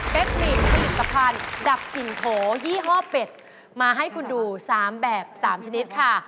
คนมีผลิตภัณฑ์ดับกลิ่นโถยี่ห้อเป็ดมาให้คุณดู๓แบบ๓ชนิดค่ะ